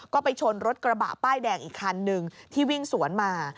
ก็ไปชนรถกระบะป้ายแดงอีกคันหนึ่งที่วิ่งสวนมา